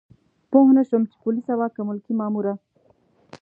پوه نه شوم چې پولیسه وه که ملکي ماموره.